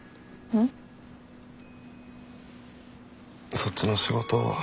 そっちの仕事